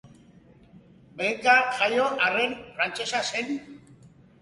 Belgikan jaio arren, frantsesa zen.